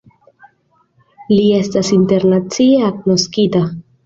Li estas internacie agnoskita.